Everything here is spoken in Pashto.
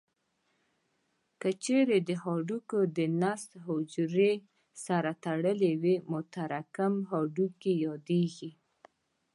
که چیرې هډوکو د نسج حجرې سره ټولې وي متراکم هډوکي یادېږي.